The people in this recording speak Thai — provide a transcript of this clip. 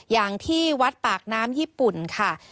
อย่างที่วัดปากน้ำญี่ปุ่นค่ะ